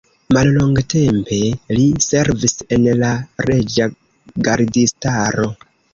Mallongtempe li servis en la reĝa gardistaro.